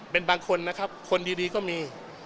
เป็นบางคนนะครับคนดีก็มี